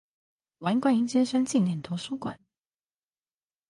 王貫英先生紀念圖書館